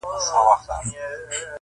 • سپی دي ښخ وي دلې څه ګناه یې نسته..